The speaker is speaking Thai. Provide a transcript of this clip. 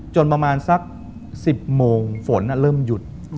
ประมาณสัก๑๐โมงฝนเริ่มหยุด